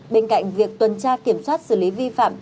bên cạnh việc tuần tra kiểm soát xử lý vi phạm